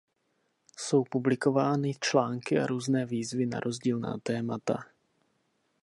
Jsou publikovány články a různé výzvy na rozdílná témata.